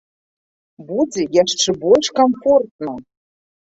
Будзе яшчэ больш камфортна!